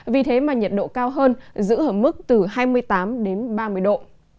vì thế mà nhiệt độ cao hơn giữ ở mức từ hai mươi tám đến ba mươi độ